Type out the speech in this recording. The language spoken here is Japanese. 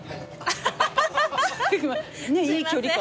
いい距離感。